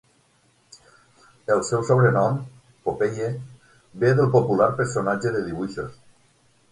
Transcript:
El seu sobrenom, Popeye, ve del popular personatge de dibuixos.